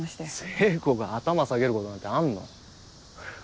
聖子が頭下げることなんてあんの？